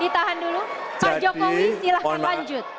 pak jokowi silahkan lanjut